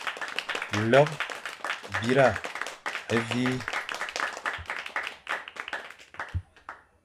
Lekh, bîra, vîe.